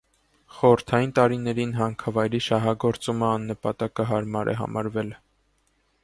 Խորհրդային տարիներին հանքավայրի շահագործումը աննպատակահարմար է համարվել։